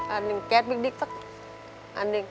อันนึงแก๊สพริกดิ๊กสักอันนึง